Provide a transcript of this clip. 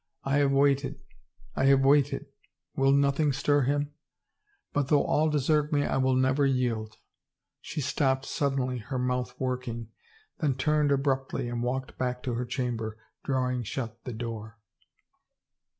I have waited, I have waited — will nothing stir him? But though all desert me I will never 261 THE FAVOR' OF KINGS yield." She stopped suddenly, her mouth working, then turned abruptly and walked back to her chamber, drawing shut the door.